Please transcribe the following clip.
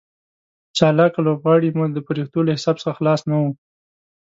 چالاکه لوبغاړي مو د فرښتو له حساب څخه خلاص نه وو.